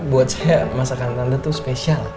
buat saya masakan anda tuh spesial